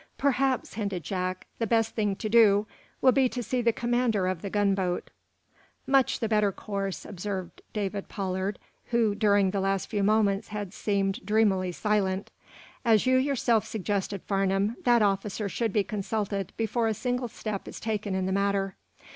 "Perhaps," hinted Jack, "the best thing to do will be to see the commander of the gunboat." "Much the better course," observed David Pollard, who, during the last few moments had seemed dreamily silent. "As you yourself suggested, Farnum, that officer should be consulted before a single step is taken in the matter."